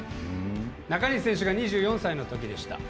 中西選手が２４歳のときでした。